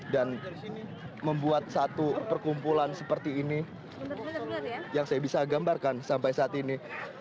dan membuat satu perkumpulan seperti ini yang saya bisa gambarkan sampai saat ini